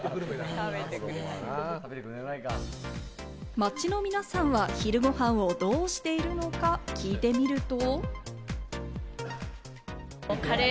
街の皆さんは昼ごはんをどうしているのか聞いてみると。